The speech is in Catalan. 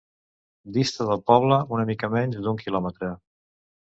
Dista del poble una mica menys d'un quilòmetre.